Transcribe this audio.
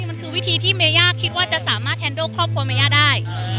มันคือวิธีที่เมย่าคิดว่าจะสามารถแฮนโดครอบครัวเมย่าได้